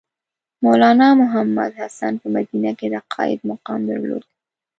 مولنا محمودالحسن په مدینه کې د قاید مقام درلود.